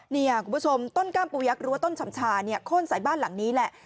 นี่คุณผู้ชมต้นกล้ามปูยักษ์รั้วต้นฉ่ำชาเนี่ยโค้นใส่บ้านหลังนี้แหละ